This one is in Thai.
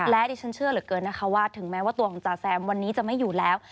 และดิฉันเชื่อเหลือเกินนะคะว่าถึงแม้ว่าตัวของจ๋าแซมวันนี้จะไม่อยู่แล้ว